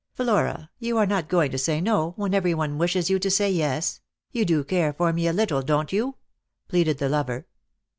" Flora, you are not going to say no, when every one wishes you to say yes ; you do care for me a little, don't you ?" pleaded the lover.